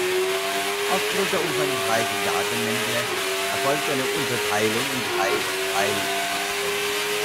Aufgrund der umfangreichen Datenmenge erfolgt eine Unterteilung in drei Teillisten.